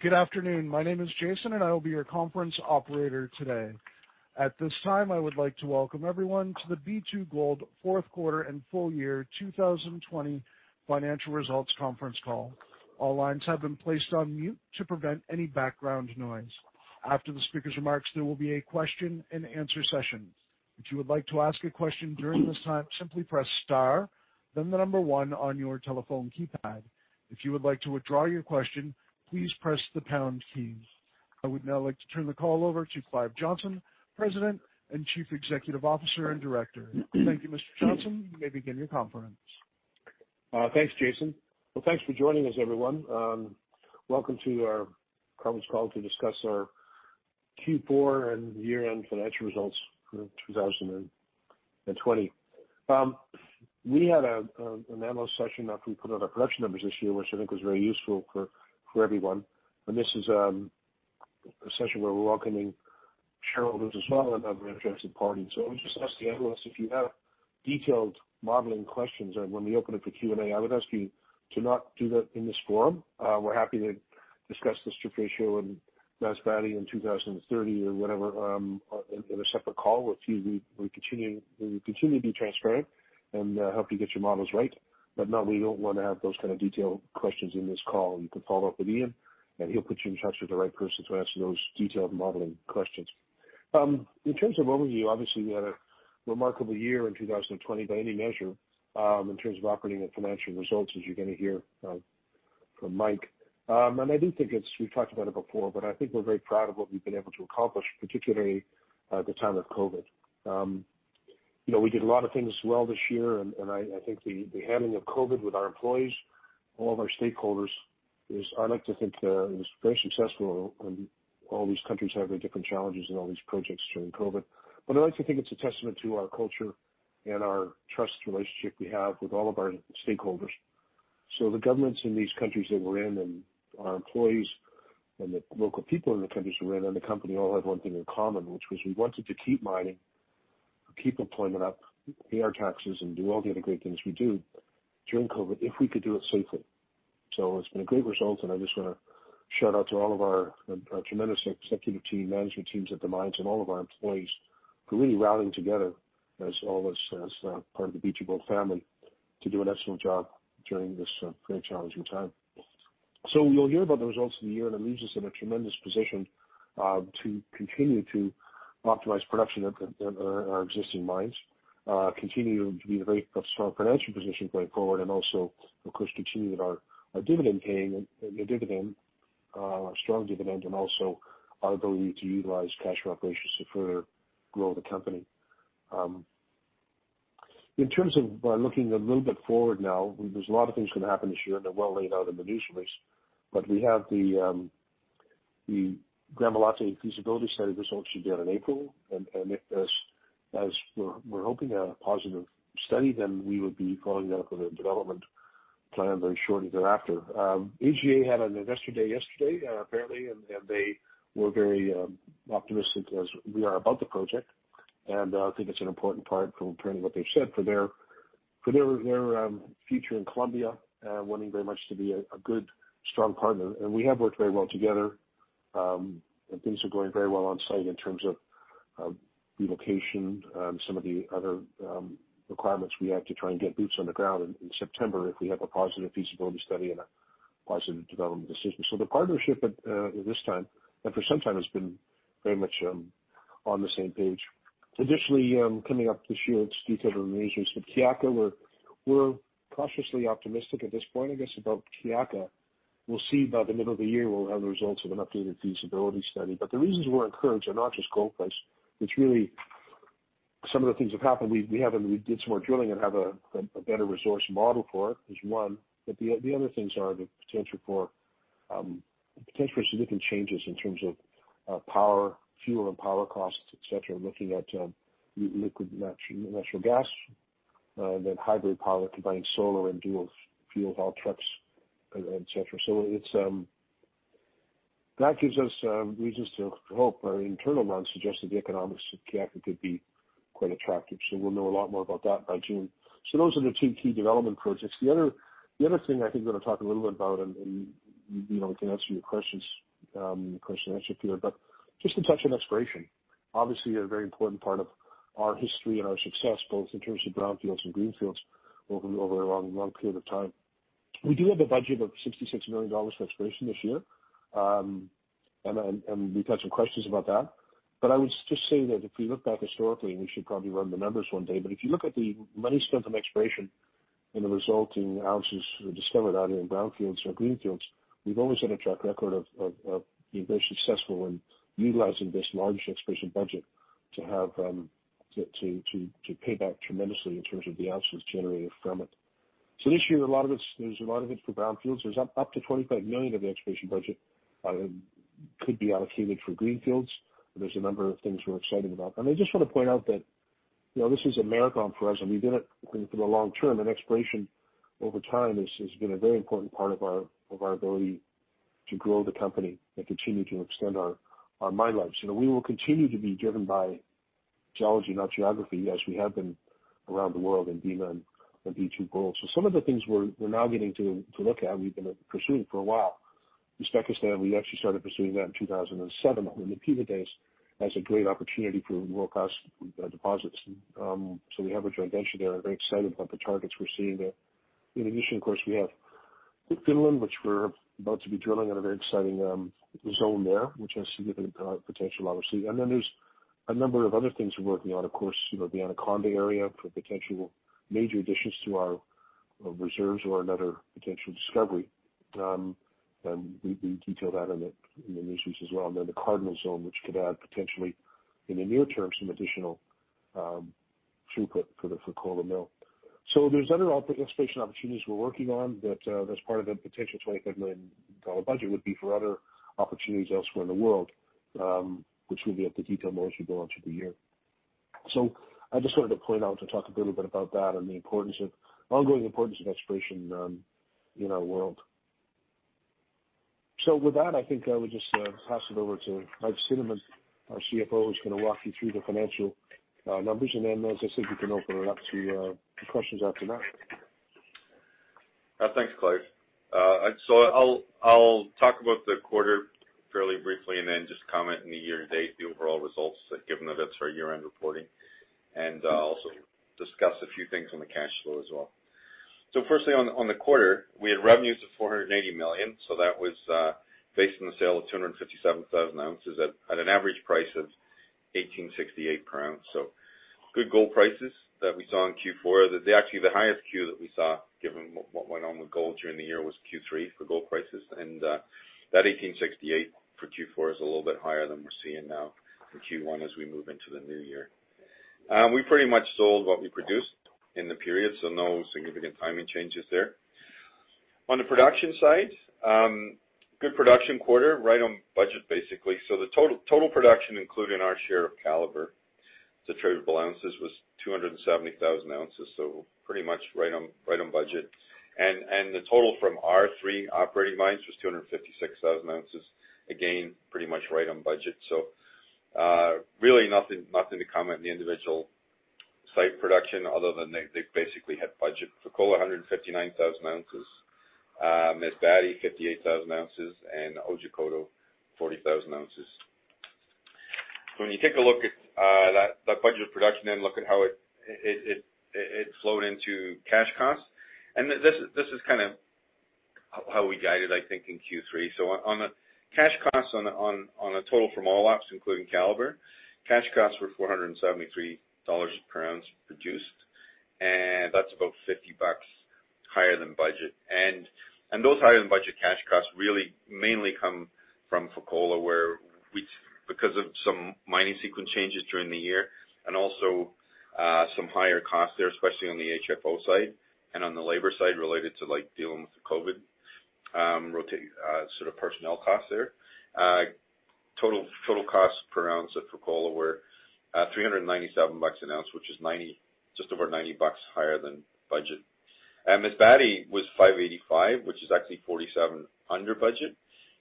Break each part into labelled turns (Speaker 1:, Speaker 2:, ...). Speaker 1: Good afternoon. My name is Jason, and I will be your conference operator today. At this time, I would like to welcome everyone to the B2Gold fourth quarter and full year 2020 financial results conference call. All lines have been placed on mute to prevent any background noise. After the speaker's remarks, there will be a question and answer session. If you would like to ask a question during this time, simply press star, then the number one on your telephone keypad. If you would like to withdraw your question, please press the pound key. I would now like to turn the call over to Clive Johnson, President and Chief Executive Officer and Director. Thank you, Mr. Johnson. You may begin your conference.
Speaker 2: Thanks, Jason. Well, thanks for joining us, everyone. Welcome to our conference call to discuss our Q4 and year-end financial results for 2020. We had an analyst session after we put out our production numbers this year, which I think was very useful for everyone. This is a session where we're welcoming shareholders as well, and other interested parties. I would just ask the analysts, if you have detailed modeling questions, when we open up for Q&A, I would ask you to not do that in this forum. We're happy to discuss the strip ratio and Masbate in 2030 or whatever, in a separate call with you. We continue to be transparent and help you get your models right. Now we don't want to have those kind of detailed questions in this call. You can follow up with Ian, and he'll put you in touch with the right person to answer those detailed modeling questions. In terms of overview, obviously, we had a remarkable year in 2020 by any measure, in terms of operating and financial results, as you're going to hear from Mike. I do think it's, we've talked about it before, but I think we're very proud of what we've been able to accomplish, particularly at the time of COVID. We did a lot of things well this year, and I think the handling of COVID with our employees, all of our stakeholders is, I like to think, was very successful and all these countries have very different challenges and all these projects during COVID. I like to think it's a testament to our culture and our trust relationship we have with all of our stakeholders. The governments in these countries that we're in and our employees and the local people in the countries we're in, and the company all had one thing in common, which was we wanted to keep mining, keep employment up, pay our taxes, and do all the other great things we do during COVID if we could do it safely. It's been a great result, and I just want to shout out to all of our tremendous executive team, management teams at the mines, and all of our employees who really rallied together as all of us as part of the B2Gold family to do an excellent job during this very challenging time. You'll hear about the results of the year, and it leaves us in a tremendous position to continue to optimize production at our existing mines, continue to be in a very strong financial position going forward, and also, of course, continue with our dividend paying and the dividend, our strong dividend, and also our ability to utilize cash from operations to further grow the company. By looking a little bit forward now, there's a lot of things going to happen this year, and they're well laid out in the news release. We have the Gramalote feasibility study results should be out in April. If, as we're hoping, a positive study, then we would be calling that out for their development plan very shortly thereafter. AGA had an investor day yesterday, apparently, and they were very optimistic, as we are, about the project. I think it's an important part from apparently what they've said for their future in Colombia, wanting very much to be a good, strong partner. We have worked very well together. Things are going very well on site in terms of relocation, some of the other requirements we have to try and get boots on the ground in September if we have a positive feasibility study and a positive development decision. The partnership at this time, and for some time, has been very much on the same page. Additionally, coming up this year, it's detailed in the news release, Kiaka, we're cautiously optimistic at this point, I guess, about Kiaka. We'll see by the middle of the year, we'll have the results of an updated feasibility study. The reasons we're encouraged are not just gold price. It's really some of the things have happened. We did some more drilling and have a better resource model for it, is one. The other things are the potential for significant changes in terms of power, fuel and power costs, et cetera, looking at liquefied natural gas, then hybrid power combining solar and dual fuel haul trucks, et cetera. That gives us reasons to hope. Our internal models suggest that the economics of Kiaka could be quite attractive. We'll know a lot more about that by June. Those are the two key development projects. The other thing I think I'm going to talk a little bit about, and we can answer your questions in the question and answer period, but just to touch on exploration. Obviously, a very important part of our history and our success, both in terms of brownfields and greenfields over a long period of time. We do have a budget of $66 million for exploration this year. We've had some questions about that. I would just say that if we look back historically, and we should probably run the numbers one day, but if you look at the money spent on exploration and the resulting ounces we discovered out here in brownfields or greenfields, we've always had a track record of being very successful in utilizing this large exploration budget to pay back tremendously in terms of the ounces generated from it. This year, there's a lot of it for brownfields. There's up to $25 million of the exploration budget could be allocated for greenfields. There's a number of things we're excited about. I just want to point out that this is a marathon for us, and we've done it for the long term, and exploration over time has been a very important part of our ability to grow the company and continue to extend our mine lives. We will continue to be driven by geology, not geography, as we have been around the world in Bema and B2Gold. Some of the things we're now getting to look at, we've been pursuing for a while. Uzbekistan, we actually started pursuing that in 2007, in the pivot days, as a great opportunity for low-cost deposits. We have a joint venture there and very excited about the targets we're seeing there. In addition, of course, we have Finland, which we're about to be drilling in a very exciting zone there, which has significant potential, obviously. There's a number of other things we're working on, of course, the Anaconda area for potential major additions to our reserves or another potential discovery. We detail that in the news release as well. The Cardinal zone, which could add, potentially, in the near term, some additional throughput for the Fekola mill. There's other exploration opportunities we're working on that's part of the potential $25 million budget would be for other opportunities elsewhere in the world, which we'll be able to detail more as we go into the year. I just wanted to point out, to talk a little bit about that and the ongoing importance of exploration in our world. With that, I think I would just pass it over to Mike Cinnamond, our CFO, who's going to walk you through the financial numbers. As I said, we can open it up to questions after that.
Speaker 3: Thanks, Clive. I'll talk about the quarter fairly briefly and then just comment on the year-to-date, the overall results, given that that's our year-end reporting. I'll also discuss a few things on the cash flow as well. Firstly, on the quarter, we had revenues of $480 million. That was based on the sale of 257,000 ounces at an average price of $1,868 per ounce. Good gold prices that we saw in Q4. Actually, the highest Q that we saw, given what went on with gold during the year, was Q3 for gold prices. That $1,868 for Q4 is a little bit higher than we're seeing now for Q1 as we move into the new year. We pretty much sold what we produced in the period, so no significant timing changes there. On the production side, good production quarter, right on budget, basically. The total production, including our share of Calibre, the tradable ounces was 270,000 ounces. Pretty much right on budget. The total from our three operating mines was 256,000 ounces. Again, pretty much right on budget. Really nothing to comment on the individual site production other than they basically hit budget. Fekola, 159,000 ounces. Masbate, 58,000 ounces. Otjikoto, 40,000 ounces. When you take a look at that budget production, then look at how it flowed into cash costs. This is how we guided, I think, in Q3. On the cash costs on a total from all ops, including Calibre, cash costs were $473 per ounce produced, and that's about $50 higher than budget. Those higher-than-budget cash costs really mainly come from Fekola, because of some mining sequence changes during the year, and also some higher costs there, especially on the HFO side and on the labor side, related to dealing with the COVID, rotating sort of personnel costs there. Total cost per ounce at Fekola were $397 an ounce, which is just over $90 higher than budget. Masbate was $585, which is actually $47 under budget.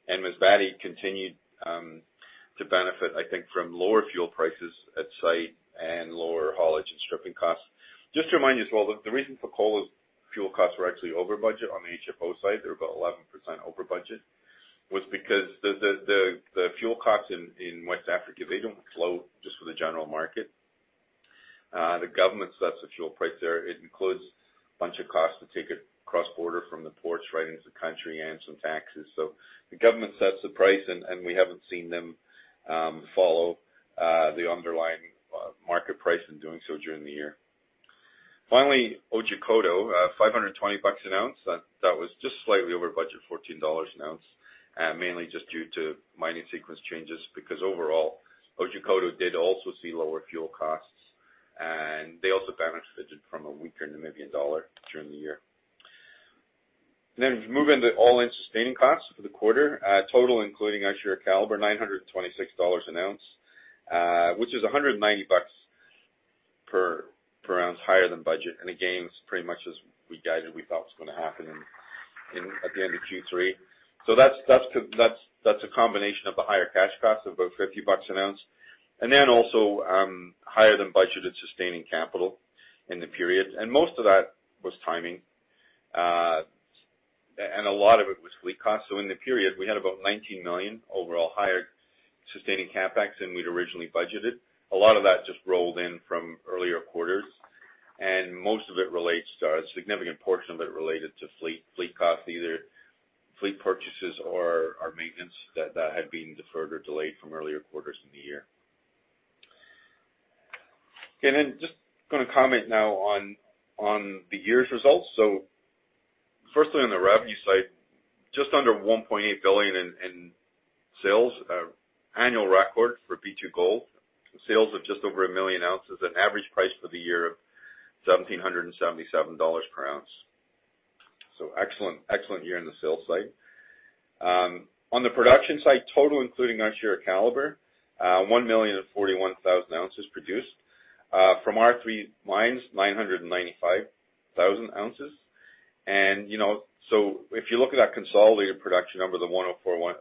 Speaker 3: Masbate continued to benefit, I think, from lower fuel prices at site and lower haulage and stripping costs. Just to remind you as well, the reason Fekola's fuel costs were actually over budget on the HFO side, they were about 11% over budget, was because the fuel costs in West Africa, they don't flow just for the general market. The government sets the fuel price there. It includes a bunch of costs to take it cross-border from the ports right into the country and some taxes. The government sets the price, and we haven't seen them follow the underlying market price in doing so during the year. Otjikoto, $520 an ounce. That was just slightly over budget, $14 an ounce. Mainly just due to mining sequence changes, because overall, Otjikoto did also see lower fuel costs, and they also benefited from a weaker Namibian dollar during the year. Moving to all-in sustaining costs for the quarter. Total, including our share of Calibre, $926 an ounce which is $190 per ounce higher than budget. This is pretty much as we guided, we thought was going to happen at the end of Q3. That's a combination of the higher cash costs of about $50 an ounce. Also, higher-than-budgeted sustaining capital in the period. Most of that was timing. A lot of it was fleet cost. In the period, we had about $19 million overall higher sustaining CapEx than we'd originally budgeted. A lot of that just rolled in from earlier quarters, and a significant portion of it related to fleet costs, either fleet purchases or our maintenance that had been deferred or delayed from earlier quarters in the year. Just going to comment now on the year's results. Firstly, on the revenue side, just under $1.8 billion in sales. Annual record for B2Gold. Sales of just over 1 million ounces at average price for the year of $1,777 per ounce. Excellent year in the sales side. On the production side, total including our share of Calibre, 1,041,000 ounces produced. From our three mines, 995,000 ounces. If you look at that consolidated production number, the 1.041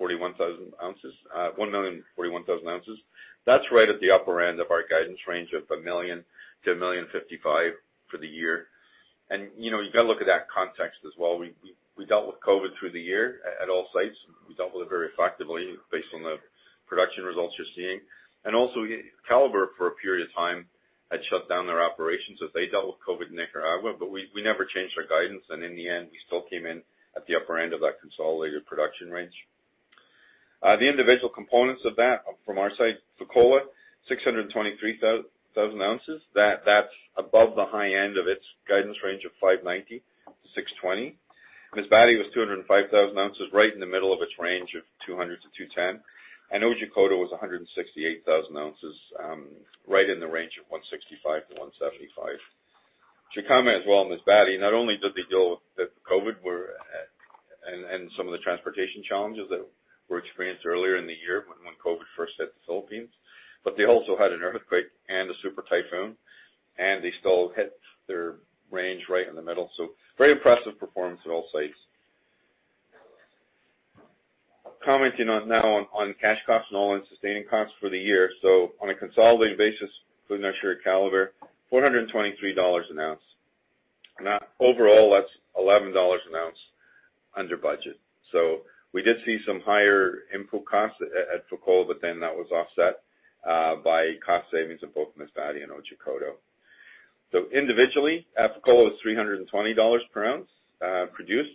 Speaker 3: million ounces, that's right at the upper end of our guidance range of 1 million ounces - 1.55 million ounces for the year. You've got to look at that context as well. We dealt with COVID through the year at all sites. We dealt with it very effectively based on the production results you're seeing. Also, Calibre, for a period of time, had shut down their operations as they dealt with COVID in Nicaragua. We never changed our guidance, and in the end, we still came in at the upper end of that consolidated production range. The individual components of that from our site, Fekola, 623,000 ounces. That's above the high end of its guidance range of 590,000 ounces - 620,000 ounces. Masbate was 205,000 ounces, right in the middle of its range of 200-210. Otjikoto was 168,000 ounces, right in the range of 165-175. To comment as well on Masbate, not only did they deal with COVID, and some of the transportation challenges that were experienced earlier in the year when COVID first hit the Philippines, they also had an earthquake and a super typhoon, they still hit their range right in the middle. Very impressive performance at all sites. Commenting now on cash costs and all-in sustaining costs for the year. On a consolidated basis with our share of Calibre, $423 an ounce. Now, overall, that's $11 an ounce under budget. We did see some higher input costs at Fekola, that was offset by cost savings at both Masbate and Otjikoto. Individually, at Fekola, it was $320 per ounce produced.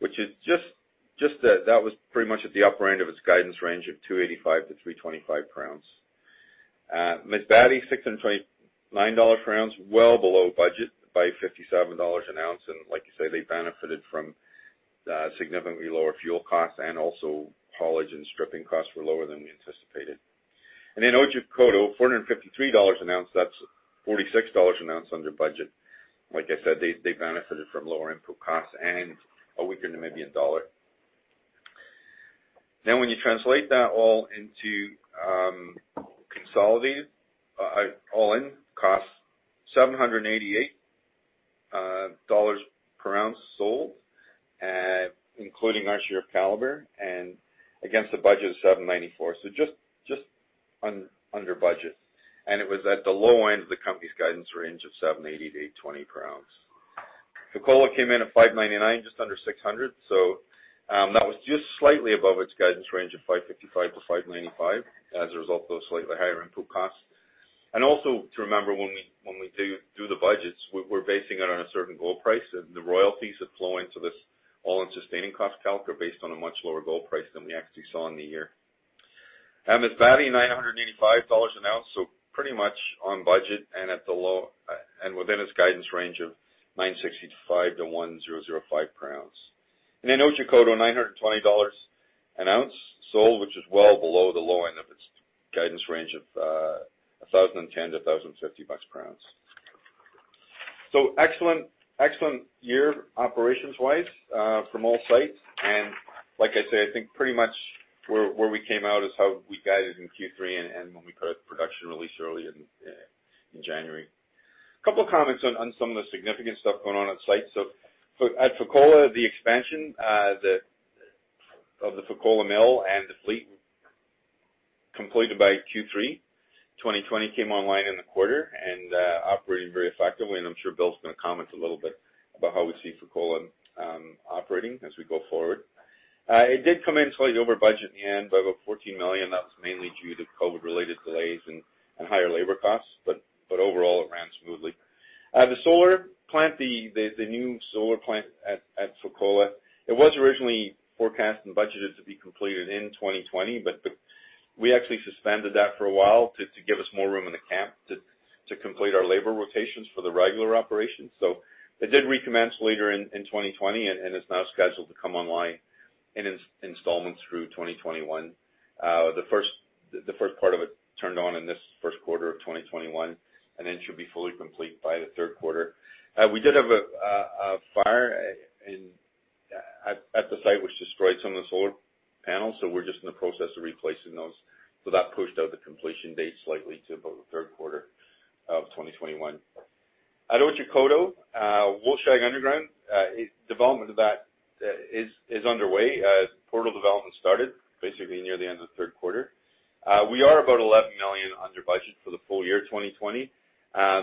Speaker 3: That was pretty much at the upper end of its guidance range of $285-$325 per ounce. At Masbate, $629 per ounce, well below budget by $57 an ounce. Like you say, they benefited from significantly lower fuel costs, and also haulage and stripping costs were lower than we anticipated. In Otjikoto, $453 an ounce, that's $46 an ounce under budget. Like I said, they benefited from lower input costs and a weaker Namibian dollar. When you translate that all into consolidated all-in costs, $788 per ounce sold, including our share of Calibre, and against a budget of $794. Just under budget. It was at the low end of the company's guidance range of $780-$820 per ounce. Fekola came in at $599, just under $600. That was just slightly above its guidance range of $555-$595 as a result of slightly higher input costs. Also to remember, when we do the budgets, we're basing it on a certain gold price, and the royalties that flow into this all-in sustaining cost calc are based on a much lower gold price than we actually saw in the year. At Masbate, $985 an ounce, pretty much on budget and within its guidance range of $965-$1,005 per ounce. At Otjikoto, $920 an ounce sold, which is well below the low end of its guidance range of $1,010-$1,050 per ounce. Excellent year operations-wise from all sites. Like I say, I think pretty much where we came out is how we guided in Q3 and when we put out the production release early in January. A couple of comments on some of the significant stuff going on at site. At Fekola, the expansion of the Fekola mill and the fleet completed by Q3 2020, came online in the quarter and operating very effectively, and I'm sure Bill's going to comment a little bit about how we see Fekola operating as we go forward. It did come in slightly over budget in the end by about $14 million. That was mainly due to COVID-related delays and higher labor costs. Overall, it ran smoothly. The new solar plant at Fekola, it was originally forecast and budgeted to be completed in 2020, but we actually suspended that for a while to give us more room in the camp to complete our labor rotations for the regular operation. It did recommence later in 2020 and is now scheduled to come online in installments through 2021. The first part of it turned on in this first quarter of 2021, should be fully complete by the third quarter. We did have a fire at the site, which destroyed some of the solar panels, we're just in the process of replacing those. That pushed out the completion date slightly to about the third quarter of 2021. At Otjikoto, Wolfshag Underground, development of that is underway. Portal development started basically near the end of the third quarter. We are about $11 million under budget for the full year 2020.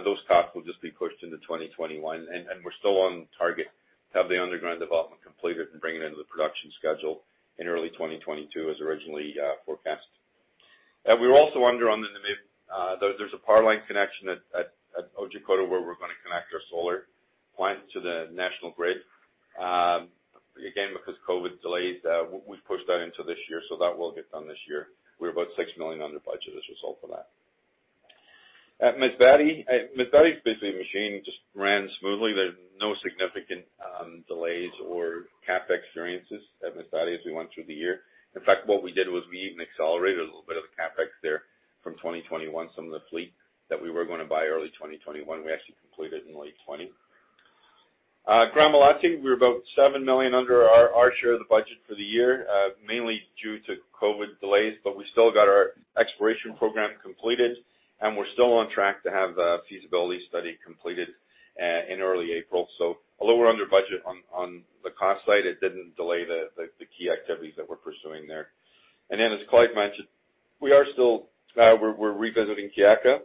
Speaker 3: Those costs will just be pushed into 2021. We're still on target to have the underground development completed and bring it into the production schedule in early 2022, as originally forecast. There's a power line connection at Otjikoto where we're going to connect our solar plant to the national grid. Because COVID delays, we've pushed that into this year, that will get done this year. We're about $6 million under budget as a result of that. At Masbate, basically, the machine just ran smoothly. There's no significant delays or CapEx variances at Masbate as we went through the year. In fact, what we did was we even accelerated a little bit of the CapEx there from 2021. Some of the fleet that we were going to buy early 2021, we actually completed in late 2020. At Gramalote, we were about $7 million under our share of the budget for the year, mainly due to COVID delays, we still got our exploration program completed, we're still on track to have the feasibility study completed in early April. Although we're under budget on the cost side, it didn't delay the key activities that we're pursuing there. As Clive mentioned, we are still revisiting Kiaka.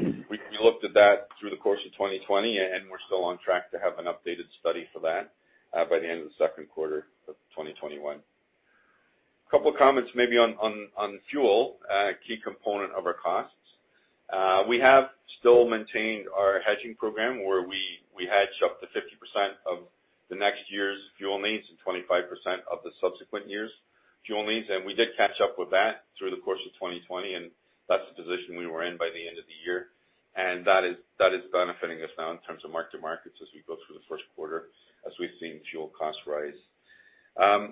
Speaker 3: We looked at that through the course of 2020. We're still on track to have an updated study for that by the end of the second quarter of 2021. A couple of comments maybe on fuel, a key component of our costs. We have still maintained our hedging program where we hedged up to 50% of the next year's fuel needs and 25% of the subsequent years' fuel needs. We did catch up with that through the course of 2020. That's the position we were in by the end of the year. That is benefiting us now in terms of mark-to-markets as we go through the first quarter, as we've seen fuel costs rise.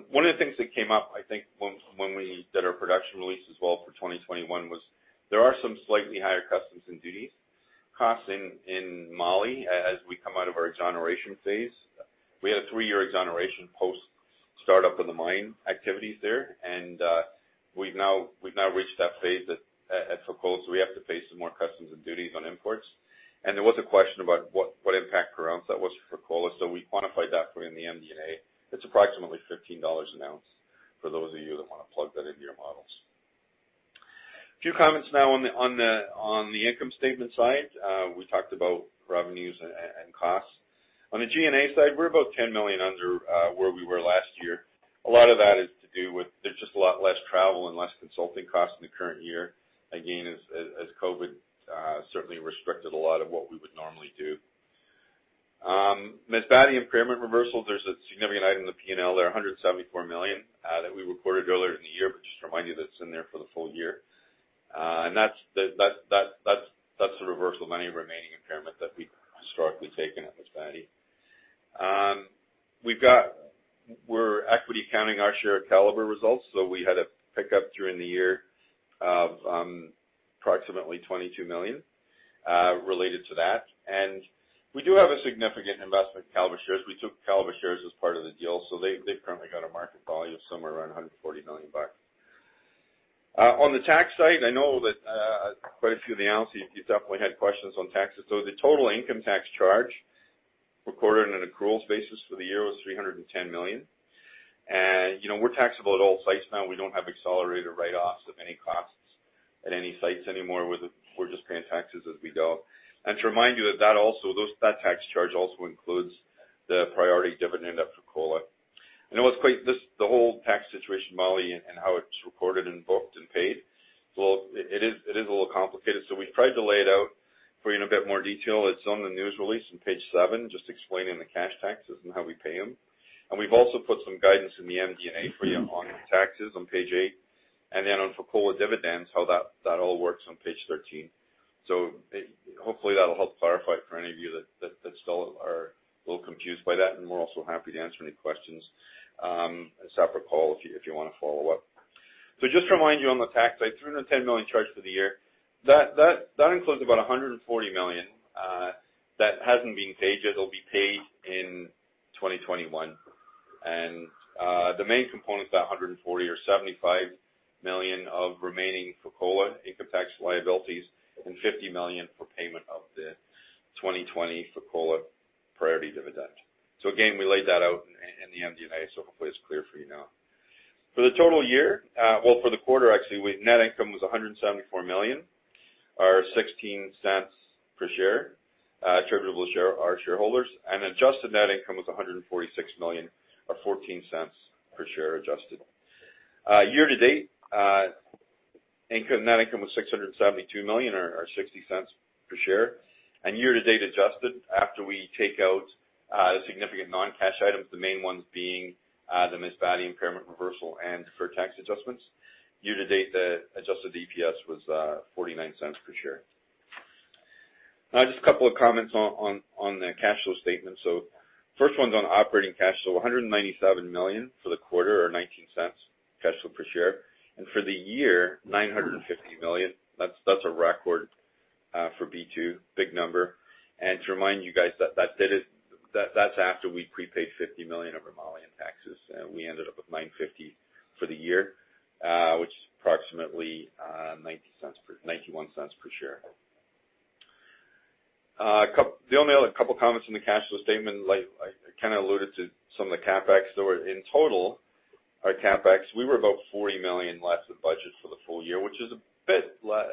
Speaker 3: One of the things that came up, I think when we did our production release as well for 2021, was there are some slightly higher customs and duties costs in Mali as we come out of our exoneration phase. We had a three-year exoneration post-startup of the mine activities there, and we've now reached that phase at Fekola, so we have to pay some more customs and duties on imports. There was a question about what impact around that was for Fekola, so we quantified that for you in the MD&A. It's approximately $15 an ounce for those of you that want to plug that into your models. A few comments now on the income statement side. We talked about revenues and costs. On the G&A side, we're about $10 million under where we were last year. A lot of that is to do with, there's just a lot less travel and less consulting costs in the current year, again, as COVID certainly restricted a lot of what we would normally do. Masbate impairment reversal, there's a significant item in the P&L there, $174 million that we recorded earlier in the year, but just to remind you, that's in there for the full year. That's the reversal of any remaining impairment that we've historically taken at Masbate. We're equity accounting our share of Calibre results, so we had a pickup during the year of approximately $22 million related to that. We do have a significant investment in Calibre shares. We took Calibre shares as part of the deal, so they've currently got a market value of somewhere around $140 million. On the tax side, I know that quite a few of the analysts, you've definitely had questions on taxes. The total income tax charge recorded on an accruals basis for the year was $310 million. We're taxable at all sites now. We don't have accelerated write-offs of any costs at any sites anymore. We're just paying taxes as we go. To remind you that that tax charge also includes the priority dividend at Fekola. I know the whole tax situation in Mali and how it's recorded and booked and paid, it is a little complicated. We've tried to lay it out for you in a bit more detail. It's on the news release on page seven, just explaining the cash taxes and how we pay them. We've also put some guidance in the MD&A for you on taxes on page eight, on Fekola dividends, how that all works on page 13. Hopefully, that'll help clarify it for any of you that still are a little confused by that, and we're also happy to answer any questions in a separate call if you want to follow up. Just to remind you on the tax side, $310 million charge for the year. That includes about $140 million that hasn't been paid yet. It'll be paid in 2021. The main components of that $140 are $75 million of remaining Fekola income tax liabilities and $50 million for payment of the 2020 Fekola priority dividend. Again, we laid that out in the MD&A, so hopefully it's clear for you now. For the total year, well, for the quarter, actually, net income was $174 million, or $0.16 per share attributable to our shareholders, and adjusted net income was $146 million, or $0.14 per share adjusted. Year-to-date, net income was $672 million, or $0.60 per share. Year-to-date adjusted, after we take out significant non-cash items, the main ones being the Masbate impairment reversal and deferred tax adjustments. Year-to-date, the adjusted EPS was $0.49 per share. Just a couple of comments on the cash flow statement. The first one's on operating cash flow, $197 million for the quarter or $0.19 cash flow per share. For the year, $950 million. That's a record for B2Gold, big number. To remind you guys, that's after we prepaid $50 million of our Malian taxes, we ended up with $950 million for the year, which is approximately $0.91 per share. The only other couple of comments on the cash flow statement, I kind of alluded to some of the CapEx. In total, our CapEx, we were about $40 million less than budget for the full year, which is a bit less.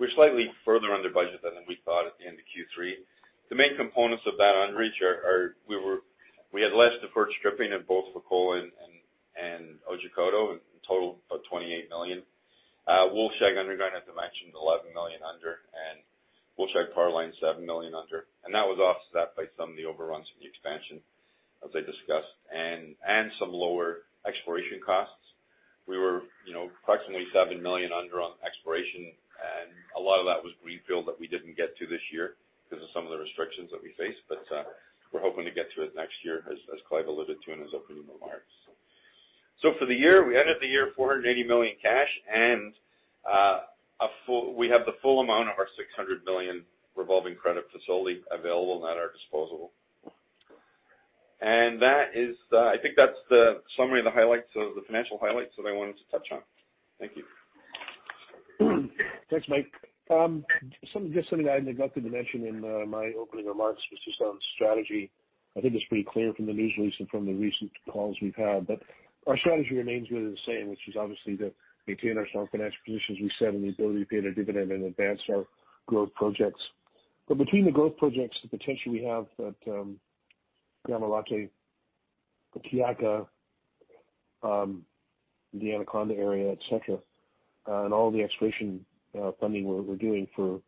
Speaker 3: We're slightly further under budget than we thought at the end of Q3. The main components of that underage are we had less deferred stripping at both Fekola and Otjikoto in total of $28 million. Loulo-Gounkoto underground, as I mentioned, $11 million under, and Loulo-Gounkoto powerline, $7 million under. That was offset by some of the overruns in the expansion, as I discussed, and some lower exploration costs. We were approximately $7 million under on exploration, a lot of that was greenfield that we didn't get to this year because of some of the restrictions that we faced. We're hoping to get to it next year, as Clive alluded to in his opening remarks. For the year, we ended the year $480 million cash, we have the full amount of our $600 million revolving credit facility available at our disposal. I think that's the summary of the financial highlights that I wanted to touch on. Thank you.
Speaker 2: Thanks, Mike. Just something I neglected to mention in my opening remarks was just on strategy. I think it's pretty clear from the news release and from the recent calls we've had, our strategy remains really the same, which is obviously to maintain our strong financial position, as we said, and the ability to pay a dividend and advance our growth projects. Between the growth projects, the potential we have at Gramalote, Kiaka, the Anaconda area, et cetera, and all the exploration funding we're doing for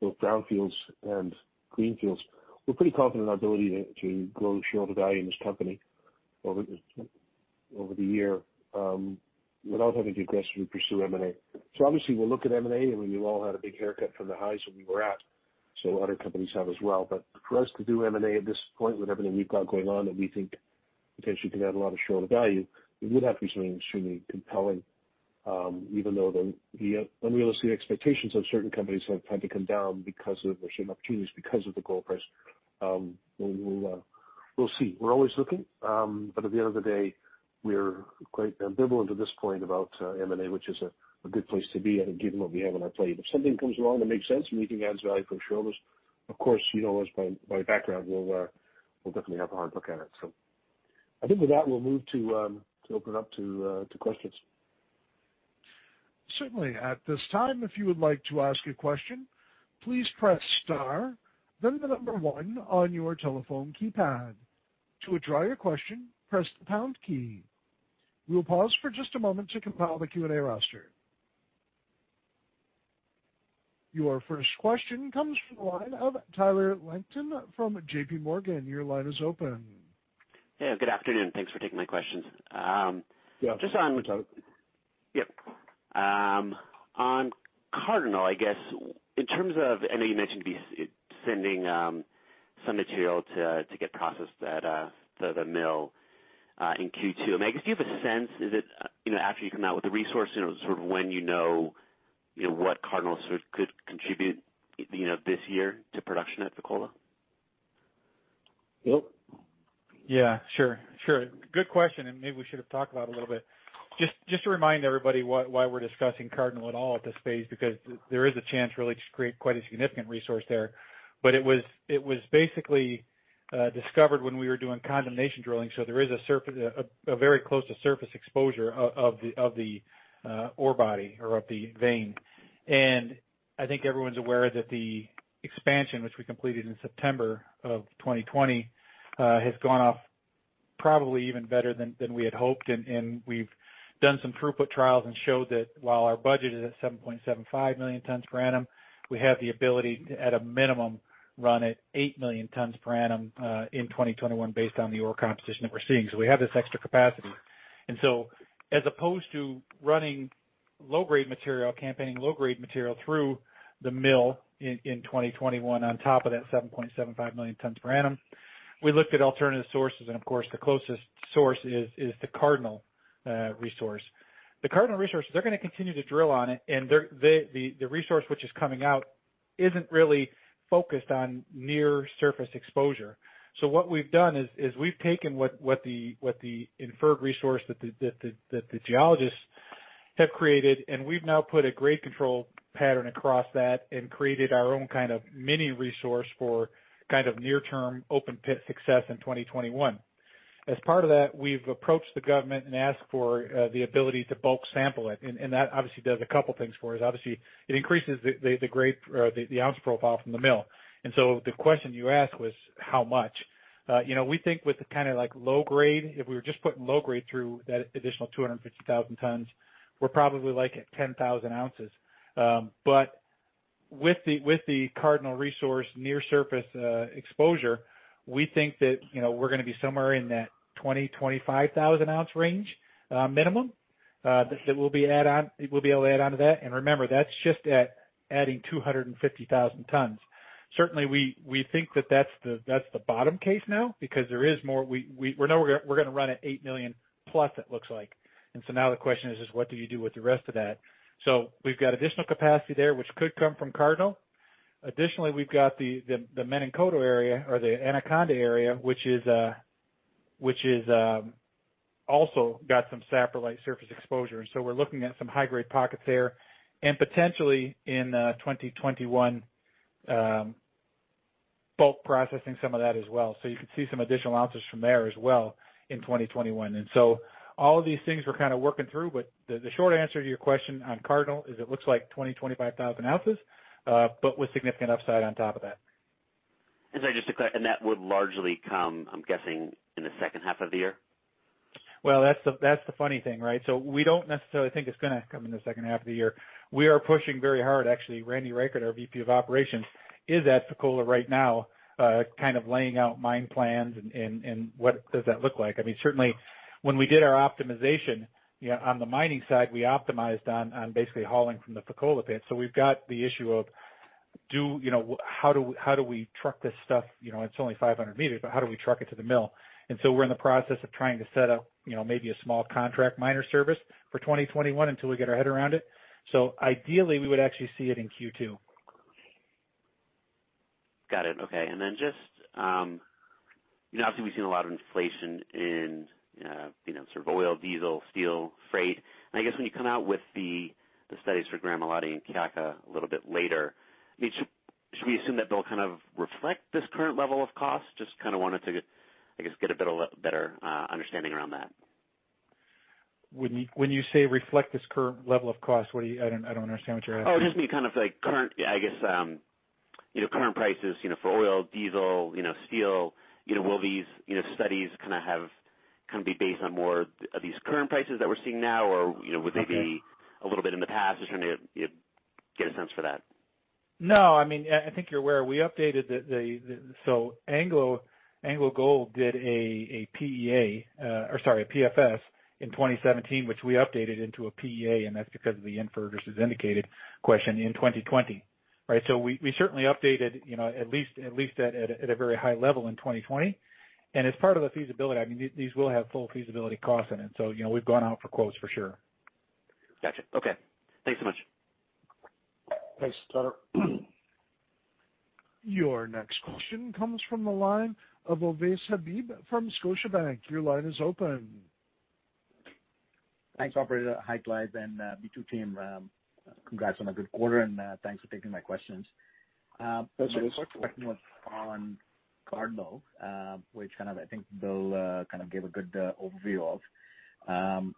Speaker 2: both brownfields and greenfields, we're pretty confident in our ability to grow shareholder value in this company over the year without having to aggressively pursue M&A. Obviously we'll look at M&A, and we've all had a big haircut from the highs that we were at, so other companies have as well. For us to do M&A at this point with everything we've got going on that we think potentially could add a lot of shareholder value, it would have to be something extremely compelling, even though the unrealistic expectations of certain companies have had to come down because of certain opportunities, because of the gold price. We'll see. We're always looking. At the end of the day, we're quite ambivalent at this point about M&A, which is a good place to be, I think, given what we have on our plate. If something comes along that makes sense and we think adds value for our shareholders, of course, you know us by background, we'll definitely have a hard look at it. I think with that, we'll move to open up to questions.
Speaker 1: Certainly. At this time, if you would like to ask a question, please press star, then the number one on your telephone keypad. To withdraw your question, press the pound key. We will pause for just a moment to compile the Q&A roster. Your first question comes from the line of Tyler Langton from JPMorgan. Your line is open.
Speaker 4: Hey, good afternoon. Thanks for taking my questions.
Speaker 2: Yeah.
Speaker 4: Just on-
Speaker 2: Hi, Tyler.
Speaker 4: Yep. On Cardinal, I know you mentioned sending some material to get processed at the mill in Q2. I guess, do you have a sense, after you come out with the resource, when you know what Cardinal could contribute this year to production at Fekola?
Speaker 2: Bill?
Speaker 5: Yeah, sure. Good question. Maybe we should have talked about it a little bit. Just to remind everybody why we are discussing Cardinal at all at this phase, because there is a chance really to create quite a significant resource there. It was basically discovered when we were doing condemnation drilling. There is a very close to surface exposure of the ore body or of the vein. I think everyone's aware that the expansion, which we completed in September of 2020, has gone off probably even better than we had hoped, and we have done some throughput trials and showed that while our budget is at 7.75 million tons per annum, we have the ability to, at a minimum, run at eight million tons per annum in 2021 based on the ore composition that we are seeing. We have this extra capacity. As opposed to running low-grade material, campaigning low-grade material through the mill in 2021 on top of that 7.75 million tons per annum, we looked at alternative sources, and of course, the closest source is the Cardinal resource. The Cardinal resource, they're going to continue to drill on it, and the resource which is coming out isn't really focused on near surface exposure. What we've done is we've taken what the inferred resource that the geologists have created, and we've now put a grade control pattern across that and created our own kind of mini resource for near-term open pit success in 2021. As part of that, we've approached the government and asked for the ability to bulk sample it, and that obviously does a couple things for us. Obviously, it increases the ounce profile from the mill. The question you asked was, how much? We think with the low grade, if we were just putting low grade through that additional 250,000 tons, we're probably at 10,000 ounces. With the Cardinal resource near surface exposure, we think that we're going to be somewhere in that 20,000-25,000 ounce range minimum that we'll be able to add onto that. Remember, that's just at adding 250,000 tons. Certainly, we think that that's the bottom case now, because we know we're going to run at 8 million-plus it looks like. Now the question is what do you do with the rest of that? We've got additional capacity there, which could come from Cardinal. Additionally, we've got the Menankoto area, or the Anaconda area, which has also got some saprolite surface exposure. We're looking at some high-grade pockets there, and potentially in 2021, bulk processing some of that as well. You could see some additional ounces from there as well in 2021. All of these things we're working through, but the short answer to your question on Cardinal is it looks like 20,000-25,000 ounces, but with significant upside on top of that.
Speaker 4: Sorry, just to clarify, and that would largely come, I'm guessing, in the second half of the year?
Speaker 5: That's the funny thing, right? We don't necessarily think it's going to come in the second half of the year. We are pushing very hard. Actually, Randy Reichert, our VP of operation, is at Fekola right now laying out mine plans and what does that look like. Certainly, when we did our optimization on the mining side, we optimized on basically hauling from the Fekola pit. We've got the issue of how do we truck this stuff? It's only 500 meters, but how do we truck it to the mill? We're in the process of trying to set up maybe a small contract miner service for 2021 until we get our head around it. Ideally, we would actually see it in Q2.
Speaker 4: Got it. Okay. Just, obviously we've seen a lot of inflation in sort of oil, diesel, steel, freight, and I guess when you come out with the studies for Gramalote and Kiaka a little bit later, should we assume that they'll kind of reflect this current level of cost? Just kind of wanted to, I guess, get a better understanding around that.
Speaker 5: When you say reflect this current level of cost, I don't understand what you're asking.
Speaker 4: Oh, just meaning kind of like, I guess, current prices for oil, diesel, steel. Will these studies kind of be based on more of these current prices that we're seeing now? Would they be a little bit in the past? Just trying to get a sense for that.
Speaker 5: No, I think you're aware we updated. AngloGold did a PEA, or sorry, a PFS in 2017, which we updated into a PEA, and that's because of the inferred versus indicated question in 2020. Right? We certainly updated at least at a very high level in 2020. As part of the feasibility, these will have full feasibility costs in it. We've gone out for quotes for sure.
Speaker 4: Got you. Okay. Thanks so much.
Speaker 5: Thanks, Tyler.
Speaker 1: Your next question comes from the line of Ovais Habib from Scotiabank. Your line is open.
Speaker 6: Thanks, operator. Hi, Clive and B2 team. Congrats on a good quarter and thanks for taking my questions.
Speaker 2: Thanks, Ovais.
Speaker 6: I was working with Ron Cardinal, which I think Bill kind of gave a good overview of. I'm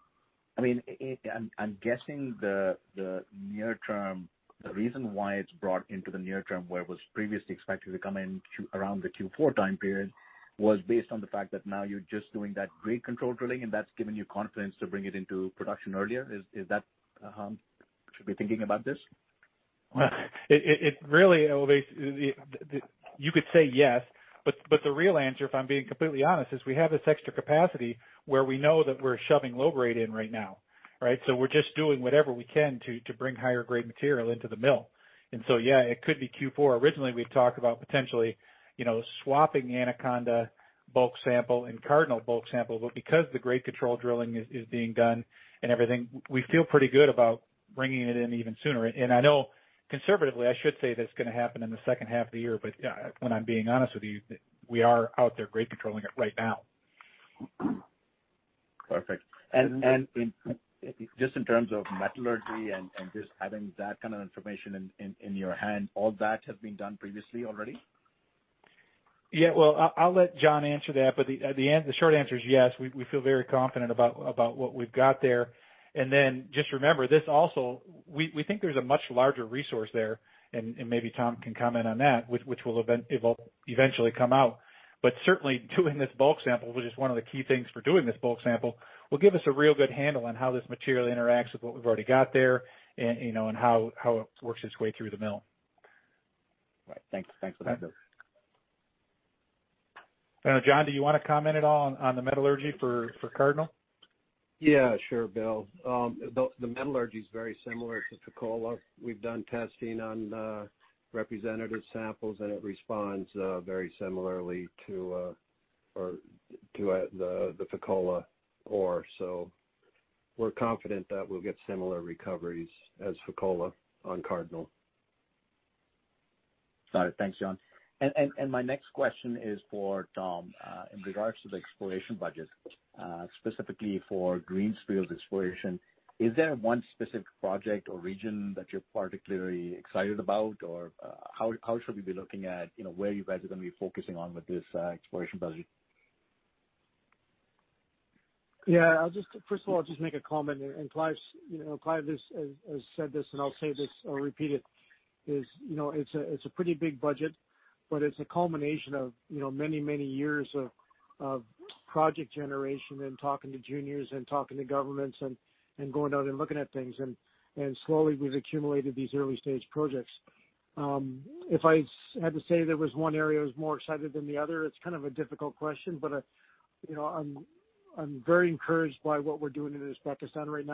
Speaker 6: guessing the reason why it's brought into the near term where it was previously expected to come in around the Q4 time period was based on the fact that now you're just doing that grade control drilling, and that's given you confidence to bring it into production earlier. Is that how I should be thinking about this?
Speaker 5: Well, it really, Ovais, you could say yes, but the real answer, if I'm being completely honest, is we have this extra capacity where we know that we're shoving low grade in right now, right? We're just doing whatever we can to bring higher grade material into the mill. Yeah, it could be Q4. Originally, we had talked about potentially swapping Anaconda bulk sample and Cardinal bulk sample. Because the grade control drilling is being done and everything, we feel pretty good about bringing it in even sooner. I know conservatively, I should say that it's going to happen in the second half of the year, but when I'm being honest with you, we are out there grade controlling it right now.
Speaker 6: Perfect. Just in terms of metallurgy and just having that kind of information in your hand, all that has been done previously already?
Speaker 5: Yeah, well, I'll let John answer that, but the short answer is yes. We feel very confident about what we've got there. Just remember, this also, we think there's a much larger resource there, and maybe Tom can comment on that, which will eventually come out. Certainly doing this bulk sample, which is one of the key things for doing this bulk sample, will give us a real good handle on how this material interacts with what we've already got there and how it works its way through the mill.
Speaker 6: Right. Thanks for that, Bill.
Speaker 5: John, do you want to comment at all on the metallurgy for Cardinal?
Speaker 7: Yeah, sure, Bill. The metallurgy's very similar to Fekola. We've done testing on representative samples, and it responds very similarly to the Fekola ore. We're confident that we'll get similar recoveries as Fekola on Cardinal.
Speaker 6: Got it. Thanks, John. My next question is for Tom. In regards to the exploration budget, specifically for greenfields exploration, is there one specific project or region that you're particularly excited about? Or how should we be looking at where you guys are going to be focusing on with this exploration budget?
Speaker 8: Yeah. First of all, I'll just make a comment, and Clive has said this, and I'll say this, I'll repeat it, is it's a pretty big budget, but it's a culmination of many, many years of project generation and talking to juniors and talking to governments and going out and looking at things, and slowly we've accumulated these early-stage projects. If I had to say there was one area I was more excited than the other, it's kind of a difficult question, but I'm very encouraged by what we're doing in Uzbekistan right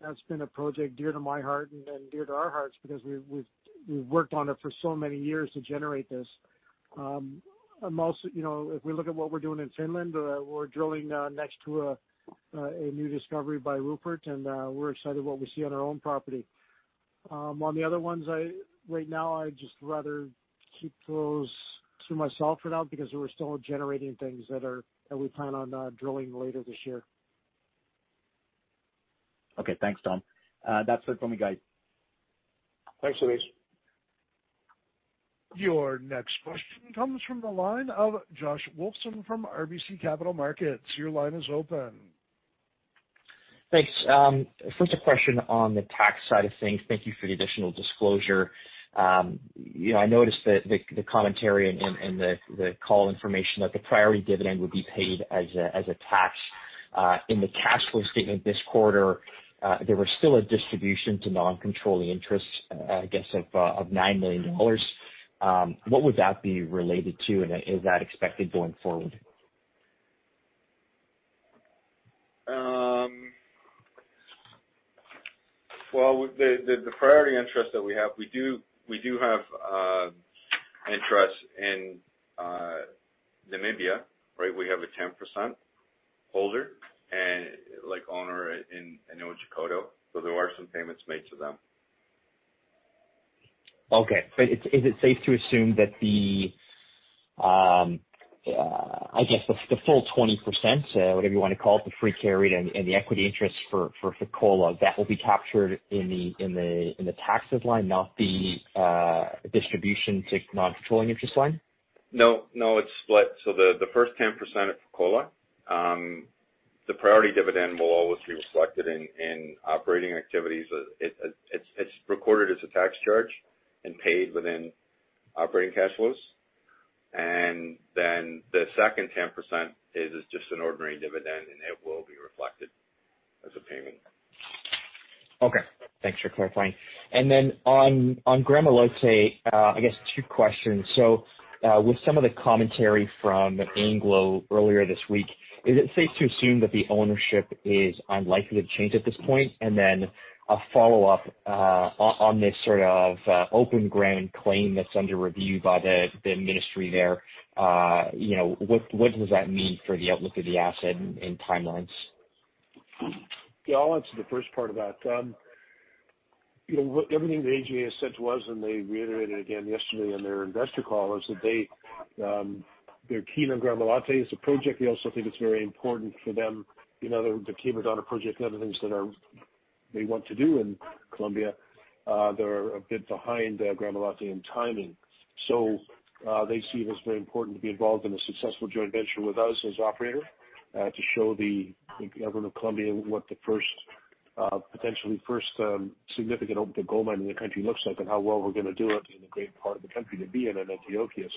Speaker 8: now. That's been a project dear to my heart and dear to our hearts because we've worked on it for so many years to generate this. If we look at what we're doing in Finland, we're drilling next to a new discovery by Rupert, and we're excited what we see on our own property. On the other ones, right now, I'd just rather keep those to myself for now because we're still generating things that we plan on drilling later this year.
Speaker 6: Okay, thanks, Tom. That's it from me, guys.
Speaker 8: Thanks, Ovais.
Speaker 1: Your next question comes from the line of Josh Wolfson from RBC Capital Markets. Your line is open.
Speaker 9: Thanks. First a question on the tax side of things. Thank you for the additional disclosure. I noticed that the commentary and the call information that the priority dividend would be paid after tax. In the cash flow statement this quarter, there was still a distribution to non-controlling interests, I guess, of $9 million. What would that be related to, and is that expected going forward?
Speaker 3: Well, the priority interest that we have, we do have interest in Namibia, right? We have a 10% holder and owner in Otjikoto. There are some payments made to them.
Speaker 9: Okay. Is it safe to assume that the full 20%, whatever you want to call it, the free carried and the equity interest for Fekola, that will be captured in the taxes line, not the distribution to non-controlling interest line?
Speaker 3: No, it's split. The first 10% at Fekola, the priority dividend will always be reflected in operating activities. It's recorded as a tax charge and paid within operating cash flows. The second 10% is just an ordinary dividend, and it will be reflected as a payment.
Speaker 9: Okay. Thanks for clarifying. On Gramalote, I guess two questions. With some of the commentary from Anglo earlier this week, is it safe to assume that the ownership is unlikely to change at this point? A follow-up on this sort of open Gram claim that's under review by the ministry there, what does that mean for the outlook of the asset and timelines?
Speaker 2: I'll answer the first part of that. Everything the AGA has said to us, and they reiterated again yesterday on their investor call, is that they're keen on Gramalote as a project. They also think it's very important for them. The Quebradona project and other things that they want to do in Colombia, they're a bit behind Gramalote in timing. They see it as very important to be involved in a successful joint venture with us as operator to show the government of Colombia what the potentially first significant open-pit gold mine in the country looks like and how well we're going to do it in a great part of the country to be in Antioquia.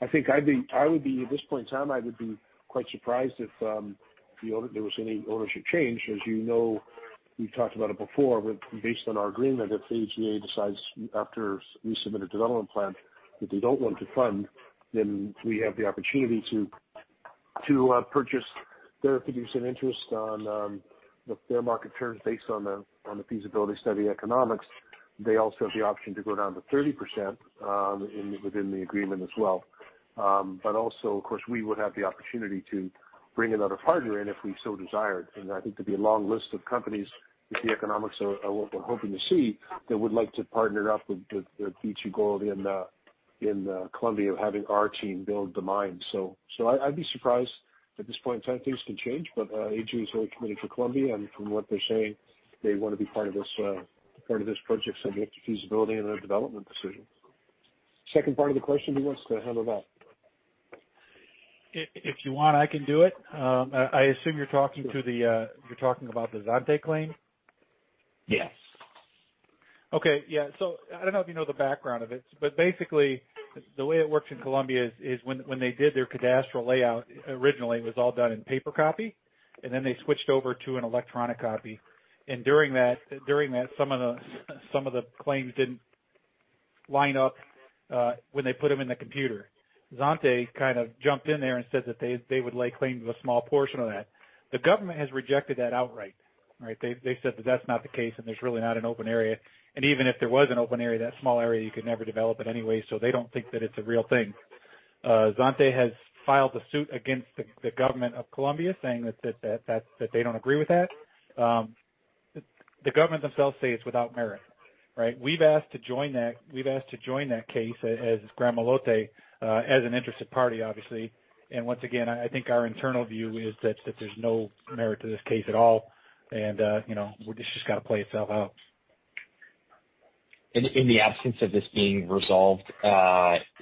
Speaker 2: I think at this point in time, I would be quite surprised if there was any ownership change. As you know, we've talked about it before. Based on our agreement, if the AGA decides after we submit a development plan that they don't want to fund, we have the opportunity to purchase their producing interest on their market terms based on the feasibility study economics. They also have the option to go down to 30% within the agreement as well. Also, of course, we would have the opportunity to bring another partner in if we so desired. I think there'd be a long list of companies if the economics are what we're hoping to see, that would like to partner up with B2Gold in Colombia, having our team build the mine. I'd be surprised at this point in time. Things can change, but AGA is really committed to Colombia, and from what they're saying, they want to be part of this project subject to feasibility and their development decision. Second part of the question, who wants to handle that?
Speaker 5: If you want, I can do it. I assume you're talking about the Zante claim?
Speaker 9: Yes.
Speaker 5: Okay. Yeah. I don't know if you know the background of it, but basically the way it works in Colombia is when they did their cadastral layout, originally, it was all done in paper copy, and then they switched over to an electronic copy. During that, some of the claims didn't line up when they put them in the computer. Zante kind of jumped in there and said that they would lay claim to a small portion of that. The government has rejected that outright. They've said that that's not the case, and there's really not an open area, and even if there was an open area, that small area, you could never develop it anyway. They don't think that it's a real thing. Zante has filed a suit against the government of Colombia saying that they don't agree with that. The government themselves say it's without merit. We've asked to join that case as Gramalote, as an interested party, obviously. Once again, I think our internal view is that there's no merit to this case at all. It's just got to play itself out.
Speaker 9: In the absence of this being resolved,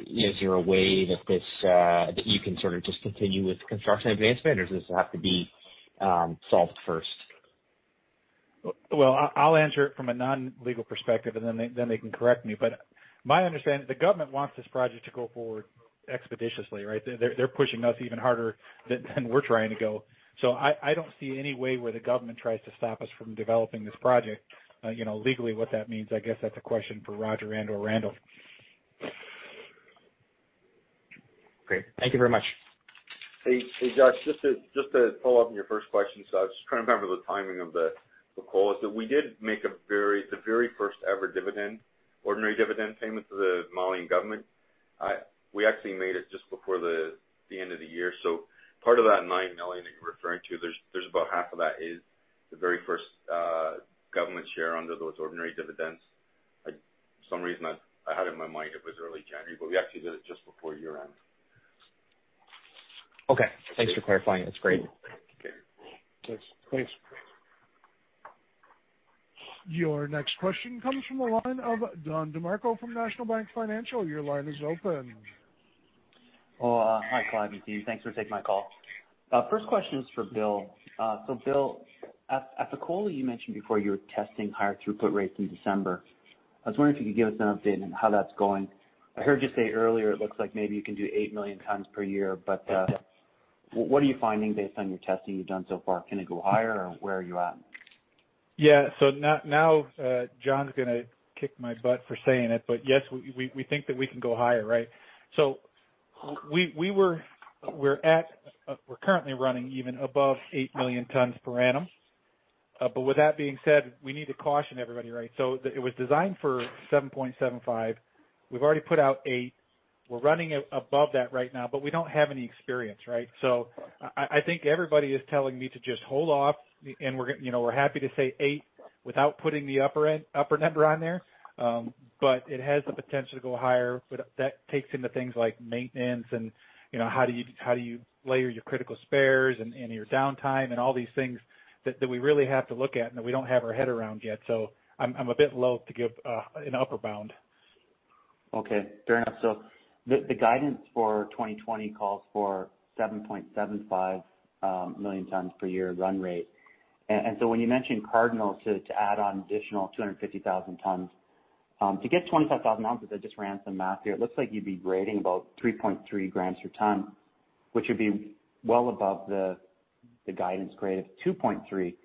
Speaker 9: is there a way that you can sort of just continue with construction advancement, or does this have to be solved first?
Speaker 5: Well, I'll answer it from a non-legal perspective, and then they can correct me, but my understanding, the government wants this project to go forward expeditiously, right? They're pushing us even harder than we're trying to go. I don't see any way where the government tries to stop us from developing this project. Legally, what that means, I guess that's a question for Roger and or Randall.
Speaker 9: Great. Thank you very much.
Speaker 3: Hey, Josh, just to follow up on your first question, I was just trying to remember the timing of the call, is that we did make the very first ever dividend, ordinary dividend payment to the Malian government. We actually made it just before the end of the year. Part of that $9 million that you're referring to, there's about half of that is the very first government share under those ordinary dividends. For some reason, I had it in my mind it was early January, we actually did it just before year-end.
Speaker 9: Okay, thanks for clarifying. That's great.
Speaker 3: Okay.
Speaker 2: Thanks.
Speaker 1: Your next question comes from the line of Don DeMarco from National Bank Financial. Your line is open.
Speaker 10: Hello. Hi, Clive and team. Thanks for taking my call. First question is for Bill. Bill, at Fekola, you mentioned before you were testing higher throughput rates in December. I was wondering if you could give us an update on how that's going. I heard you say earlier it looks like maybe you can do 8 million tons per year. What are you finding based on your testing you've done so far? Can it go higher or where are you at?
Speaker 5: Yeah. Now John's going to kick my butt for saying it, but yes, we think that we can go higher, right? We're currently running even above 8 million tons per annum. With that being said, we need to caution everybody, right? It was designed for 7.75. We've already put out 8 million. We're running above that right now, but we don't have any experience, right? I think everybody is telling me to just hold off, and we're happy to say 8 million without putting the upper number on there. It has the potential to go higher. That takes into things like maintenance and how do you layer your critical spares and your downtime and all these things that we really have to look at and that we don't have our head around yet. I'm a bit loath to give an upper bound.
Speaker 10: Okay. Fair enough. The guidance for 2020 calls for 7.75 million tons per year run rate. When you mention Cardinal to add on additional 250,000 tons, to get 25,000 ounces, I just ran some math here. It looks like you'd be grading about 3.3 grams per ton, which would be well above the guidance grade of 2.3. Is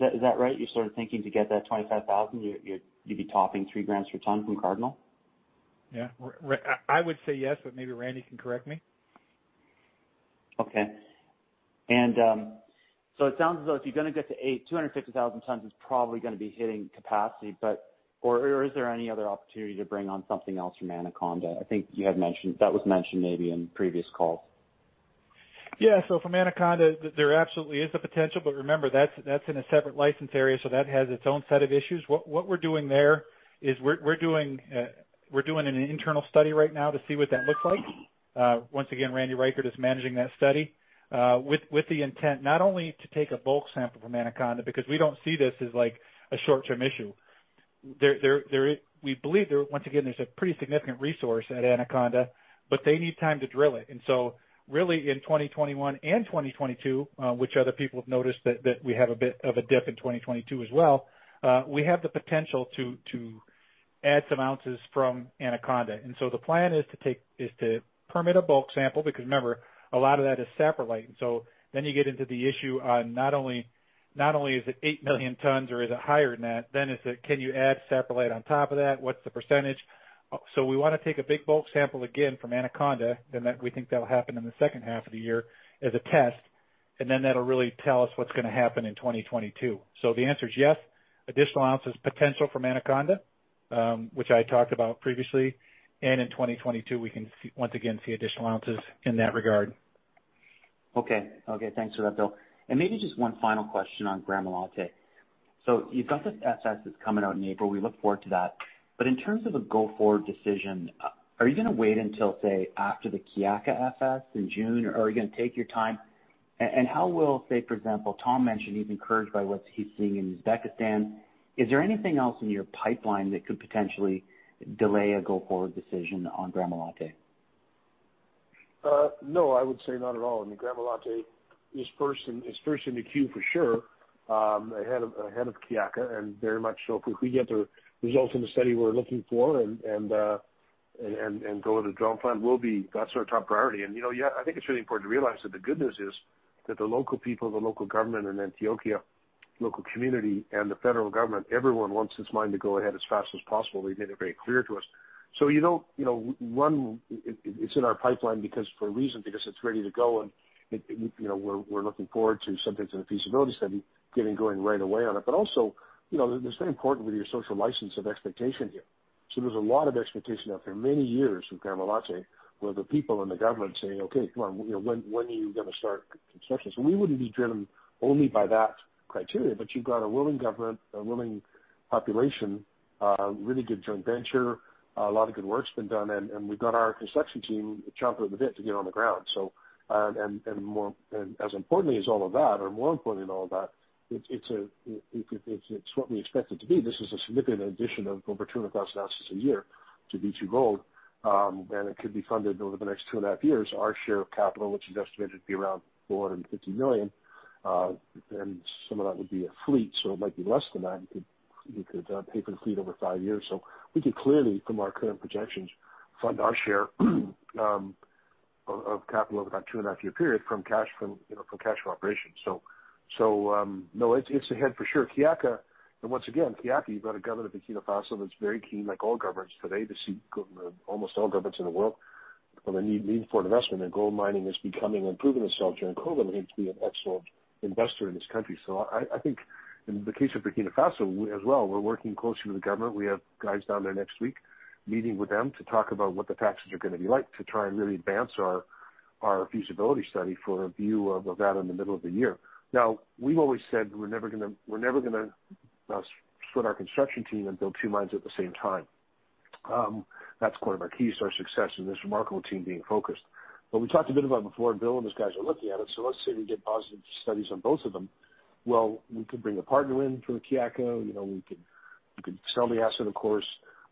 Speaker 10: that right? You're sort of thinking to get that 25,000, you'd be topping 3 grams per ton from Cardinal?
Speaker 5: Yeah. I would say yes, but maybe Randy can correct me.
Speaker 10: Okay. It sounds as though if you're going to get to eight, 250,000 tons is probably going to be hitting capacity, or is there any other opportunity to bring on something else from Anaconda? I think that was mentioned maybe in previous calls.
Speaker 5: Yeah. From Anaconda, there absolutely is a potential, but remember, that's in a separate license area, so that has its own set of issues. What we're doing there is we're doing an internal study right now to see what that looks like. Once again, Randy Reichert is managing that study, with the intent not only to take a bulk sample from Anaconda, because we don't see this as a short-term issue. We believe, once again, there's a pretty significant resource at Anaconda, but they need time to drill it. Really in 2021 and 2022, which other people have noticed that we have a bit of a dip in 2022 as well, we have the potential to add some ounces from Anaconda. The plan is to permit a bulk sample, because remember, a lot of that is saprolite. You get into the issue on not only is it 8 million tons or is it higher than that? It's can you add saprolite on top of that? What's the percentage? We want to take a big bulk sample again from Anaconda, and we think that'll happen in the second half of the year as a test, and then that'll really tell us what's going to happen in 2022. The answer is yes, additional ounces potential from Anaconda, which I talked about previously. In 2022, we can once again see additional ounces in that regard.
Speaker 10: Okay. Thanks for that, Bill. Maybe just one final question on Gramalote. You've got this FS that's coming out in April. We look forward to that. In terms of a go-forward decision, are you going to wait until, say, after the Kiaka FS in June, or are you going to take your time? How will, say, for example, Tom mentioned he's encouraged by what he's seeing in Uzbekistan. Is there anything else in your pipeline that could potentially delay a go-forward decision on Gramalote?
Speaker 2: No, I would say not at all. I mean, Gramalote is first in the queue for sure, ahead of Kiaka, and very much so if we get the results in the study we're looking for and go with the drum plan, that's our top priority. I think it's really important to realize that the good news is that the local people, the local government in Antioquia, local community, and the federal government, everyone wants this mine to go ahead as fast as possible. They've made it very clear to us. It's in our pipeline for a reason, because it's ready to go, and we're looking forward to some things in the feasibility study, getting going right away on it. Also, it's very important with your social license of expectation here. There's a lot of expectation out there, many years with Gramalote, where the people and the government saying, "Okay, come on, when are you going to start construction?" We wouldn't be driven only by that criteria, but you've got a willing government, a willing population, a really good joint venture. A lot of good work's been done, and we've got our construction team chomping at the bit to get on the ground. As importantly as all of that, or more importantly than all of that, it's what we expect it to be. This is a significant addition of over 200,000 ounces a year to B2Gold, and it could be funded over the next two and a half years. Our share of capital, which is estimated to be around $450 million, and some of that would be a fleet, so it might be less than that. You could pay for the fleet over five years. We could clearly, from our current projections, fund our share of capital over about a 2.5 year period from cash from operations. No, it's ahead for sure. Kiaka, and once again, Kiaka, you've got a government of Burkina Faso that's very keen, like all governments today, almost all governments in the world, on a need for investment, and gold mining is becoming and proving itself during COVID to be an excellent investor in this country. I think in the case of Burkina Faso as well, we're working closely with the government. We have guys down there next week meeting with them to talk about what the taxes are going to be like to try and really advance our feasibility study for a view of that in the middle of the year. We've always said we're never going to split our construction team and build two mines at the same time. That's one of our keys to our success and this remarkable team being focused. We talked a bit about it before, and Bill and his guys are looking at it. Let's say we get positive studies on both of them. We could bring a partner in for Kiaka. We could sell the asset, of course.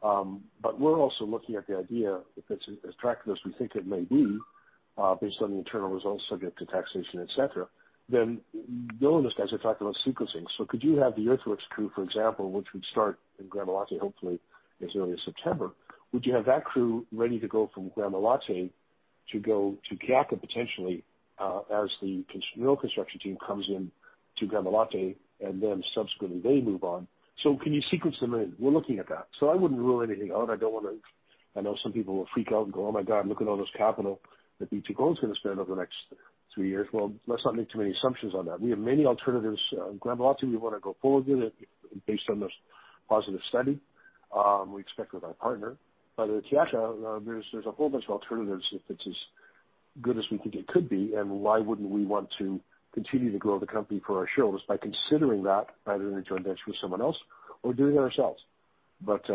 Speaker 2: We're also looking at the idea, if it's as attractive as we think it may be, based on the internal results subject to taxation, et cetera, Bill and his guys are talking about sequencing. Could you have the Earthworks crew, for example, which would start in Gramalote, hopefully as early as September, would you have that crew ready to go from Gramalote to go to Kiaka potentially, as the mill construction team comes into Gramalote, and then subsequently they move on. Can you sequence them in? We're looking at that. I wouldn't rule anything out. I know some people will freak out and go, "Oh my God. Look at all this capital that B2Gold's going to spend over the next three years." Let's not make too many assumptions on that. We have many alternatives. Gramalote, we want to go forward with it based on this positive study, we expect with our partner. At Kiaka, there's a whole bunch of alternatives if it's as good as we think it could be and why wouldn't we want to continue to grow the company for our shareholders by considering that either in a joint venture with someone else or doing it ourselves. We've had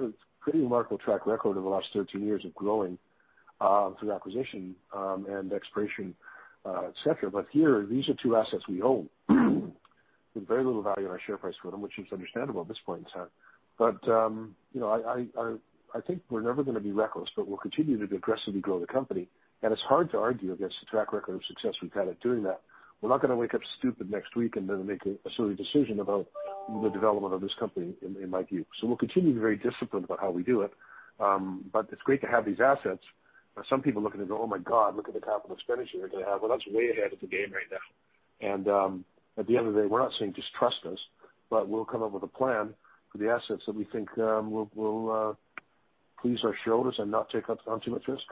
Speaker 2: a pretty remarkable track record over the last 13 years of growing through acquisition, and exploration, et cetera. Here, these are two assets we own with very little value on our share price for them, which is understandable at this point in time. I think we're never going to be reckless, but we'll continue to aggressively grow the company, and it's hard to argue against the track record of success we've had at doing that. We're not going to wake up stupid next week and then make a silly decision about the development of this company, in my view. We'll continue to be very disciplined about how we do it. It's great to have these assets. Some people look at it and go, "Oh my God, look at the capital expenditure they have." Well, that's way ahead of the game right now. At the end of the day, we're not saying, "Just trust us," but we'll come up with a plan for the assets that we think will please our shareholders and not take on too much risk.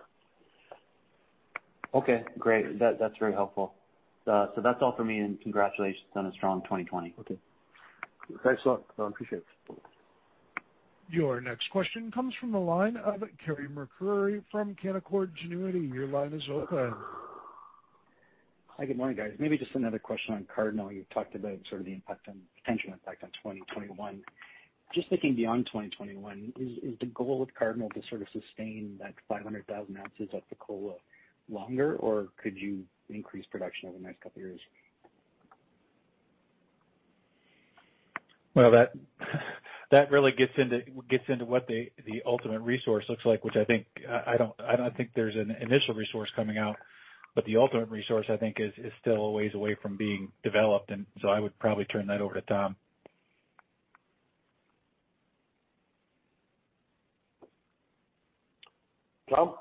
Speaker 10: Okay, great. That's very helpful. That's all for me, and congratulations on a strong 2020.
Speaker 2: Okay. Thanks a lot. I appreciate it.
Speaker 1: Your next question comes from the line of Carey MacRury from Canaccord Genuity. Your line is open.
Speaker 11: Hi, good morning, guys. Maybe just another question on Cardinal. You talked about sort of the potential impact on 2021. Just looking beyond 2021, is the goal of Cardinal to sort of sustain that 500,000 ounces at Fekola longer, or could you increase production over the next couple of years?
Speaker 5: Well, that really gets into what the ultimate resource looks like, which I don't think there's an initial resource coming out, but the ultimate resource, I think, is still a ways away from being developed. I would probably turn that over to Tom.
Speaker 2: Tom?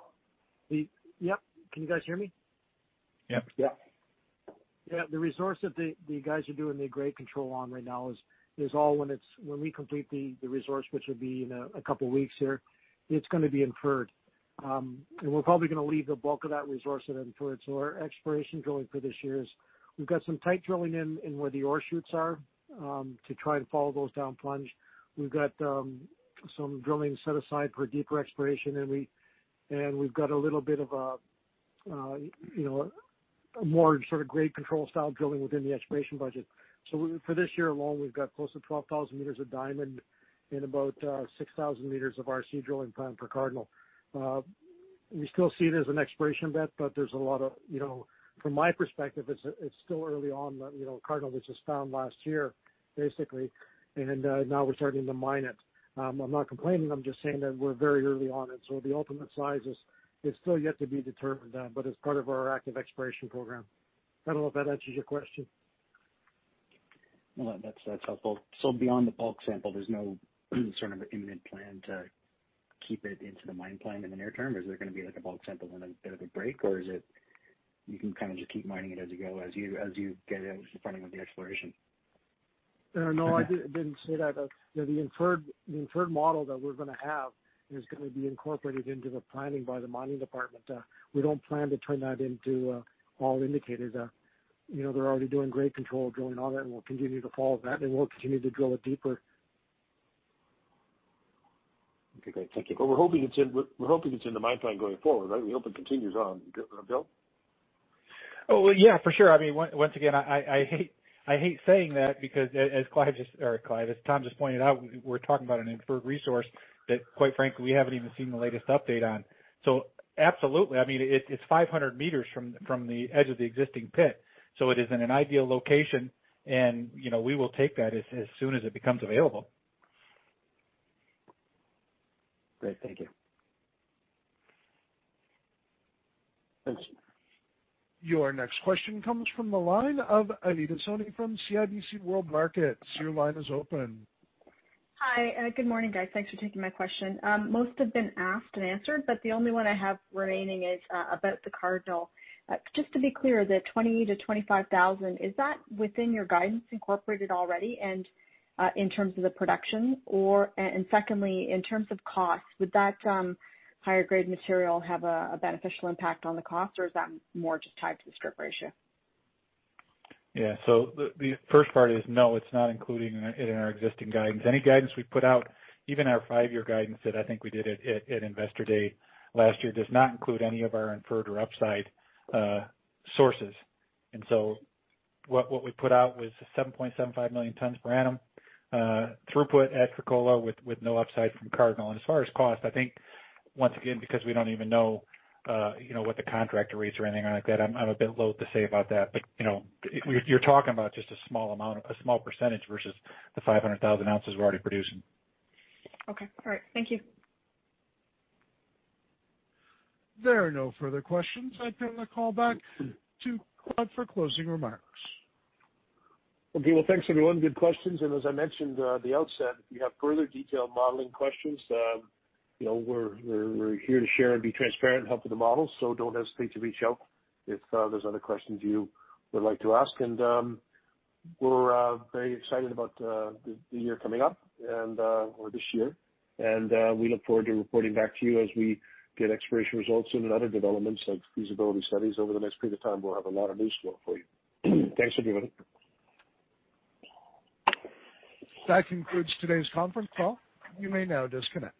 Speaker 8: Yep. Can you guys hear me?
Speaker 5: Yep.
Speaker 2: Yep.
Speaker 8: Yeah. The resource that the guys are doing their grade control on right now is all when we complete the resource, which will be in a couple of weeks here, it's going to be inferred. We're probably going to leave the bulk of that resource at inferred. Our exploration drilling for this year is we've got some tight drilling in where the ore shoots are, to try and follow those down plunge. We've got some drilling set aside for deeper exploration, and we've got a little bit of a more sort of grade control style drilling within the exploration budget. For this year alone, we've got close to 12,000 meters of diamond and about 6,000 meters of RC drilling planned for Cardinal. We still see it as an exploration bet, but from my perspective, it's still early on. Cardinal was just found last year, basically, and now we're starting to mine it. I'm not complaining, I'm just saying that we're very early on, and so the ultimate size is still yet to be determined, but it's part of our active exploration program. I don't know if that answers your question.
Speaker 11: Well, that's helpful. Beyond the bulk sample, there's no sort of imminent plan to keep it into the mine plan in the near term? Is there going to be, like, a bulk sample and then a bit of a break, or is it you can kind of just keep mining it as you go, as you get out in front of the exploration?
Speaker 8: No, I didn't say that. The inferred model that we're going to have is going to be incorporated into the planning by the mining department. We don't plan to turn that into all indicated. They're already doing grade control drilling on it, and we'll continue to follow that, and we'll continue to drill it deeper.
Speaker 11: Okay, great. Thank you.
Speaker 2: We're hoping it's in the mine plan going forward, right? We hope it continues on. Bill?
Speaker 5: Yeah, for sure. Once again, I hate saying that because as Tom just pointed out, we're talking about an inferred resource that, quite frankly, we haven't even seen the latest update on. Absolutely. It's 500 meters from the edge of the existing pit, so it is in an ideal location, and we will take that as soon as it becomes available.
Speaker 11: Great. Thank you.
Speaker 2: Thanks.
Speaker 1: Your next question comes from the line of Anita Soni from CIBC World Markets. Your line is open.
Speaker 12: Hi, good morning, guys. Thanks for taking my question. The only one I have remaining is about the Cardinal. Just to be clear, the 20,000 to 25,000, is that within your guidance incorporated already, and in terms of the production? Secondly, in terms of cost, would that higher grade material have a beneficial impact on the cost, or is that more just tied to the strip ratio?
Speaker 5: Yeah. The first part is, no, it's not included in our existing guidance. Any guidance we put out, even our five-year guidance that I think we did at Investor Day last year, does not include any of our inferred or upside sources. What we put out was 7.75 million tons per annum throughput at Fekola with no upside from Cardinal. As far as cost, I think, once again, because we don't even know what the contract rates or anything like that, I'm a bit loath to say about that. You're talking about just a small percentage versus the 500,000 ounces we're already producing.
Speaker 12: Okay. All right. Thank you.
Speaker 1: There are no further questions. I turn the call back to Clive for closing remarks.
Speaker 2: Okay. Well, thanks, everyone. Good questions. As I mentioned at the outset, if you have further detailed modeling questions, we're here to share and be transparent and help with the models, so don't hesitate to reach out if there's other questions you would like to ask. We're very excited about the year coming up, or this year, and we look forward to reporting back to you as we get exploration results and other developments, like feasibility studies over the next period of time. We'll have a lot of news flow for you. Thanks, everyone.
Speaker 1: That concludes today's conference call. You may now disconnect.